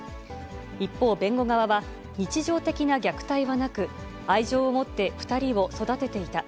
一方、弁護側は、日常的な虐待はなく、愛情を持って２人を育てていた。